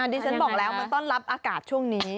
อ่าดิเซ็นต์บอกแล้วมันต้อนรับอากาศช่วงนี้